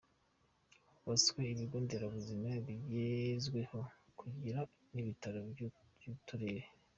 Hubatswe ibigo nderabuzima bigezweho wagira n’ibitaro by’uturere.